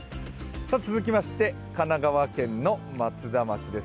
続きまして神奈川県の松田町です。